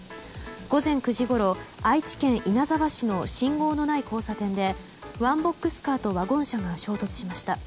午前９時ごろ、愛知県稲沢市の信号のない交差点でワンボックスカーとワゴン車が衝突しました。